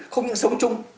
không những sống chung